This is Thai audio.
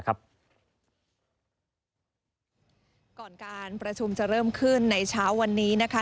ก่อนการประชุมจะเริ่มขึ้นในเช้าวันนี้นะคะ